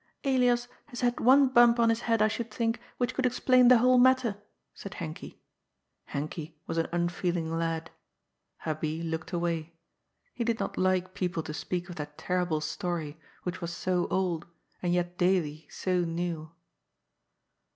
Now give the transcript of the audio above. ^' Elias has had one bump on his head, I should think, which could explain the whole matter," said Henkie. Hen kie was an unfeeling lad. Hubbie looked away. He did not like people to speak of that terrible story, which was so old, and yet daily so new.